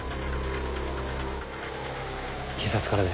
警察からです。